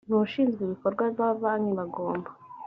n ushinzwe ibikorwa ba banki bagomba